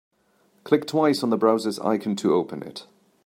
Click twice on the browser's icon to open it.